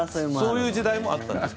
そういう時代もあったんです。